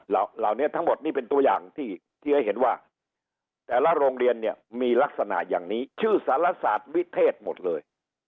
เหล่านี้ทั้งหมดนี่เป็นตัวอย่างที่ให้เห็นว่าแต่ละโรงเรียนเนี่ยมีลักษณะอย่างนี้ชื่อสารศาสตร์วิเทศหมดเลย